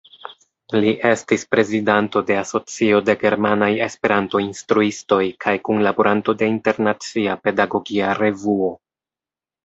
Li estis prezidanto de Asocio de Germanaj Esperanto-Instruistoj kaj kunlaboranto de "Internacia Pedagogia Revuo.